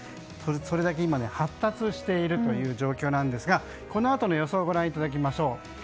それだけ、今発達している状況なんですがこのあとの予想をご覧いただきましょう。